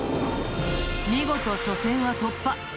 見事初戦は突破。